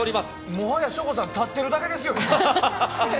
もはや省吾さん立っているだけですよ。